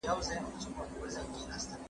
زه اجازه لرم چي سیر وکړم!!